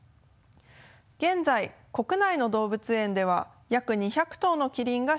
現在国内の動物園では約２００頭のキリンが飼育されています。